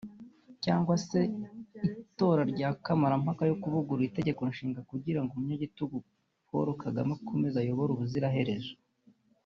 cyangwa se itora rya Kamarampaka yo kuvugurura itegeko nshinga kugira ngo umunyagitugu Paul Kagame akomeze ayobore ubuziraherezo